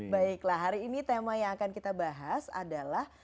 baiklah hari ini tema yang akan kita bahas adalah